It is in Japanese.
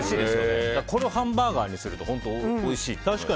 これをハンバーガーにすると本当においしいと思います。